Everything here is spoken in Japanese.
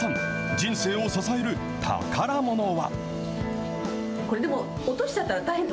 人生を支える宝ものは。